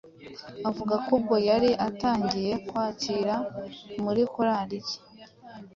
Avuga ko ubwo yari atangiye kwakira muri korali ye